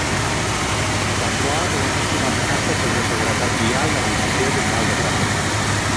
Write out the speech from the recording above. Tampoc l'enèsima amenaça sobre seguretat vial de la Direcció General de Tràfic.